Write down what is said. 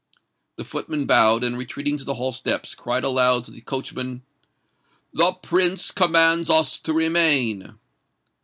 The footman bowed, and retreating to the hall steps, cried aloud to the coachman, "The Prince commands us to remain."